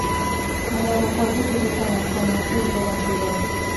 El aeropuerto se ubica en la zona sur de la ciudad.